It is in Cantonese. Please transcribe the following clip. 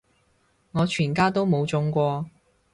我全家都冇中過